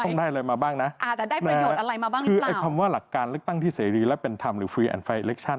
งั้นหมายความว่าการไปดูงานไม่โกรธกัน